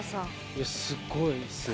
いやすごいっすね。